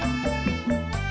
aku mau berbual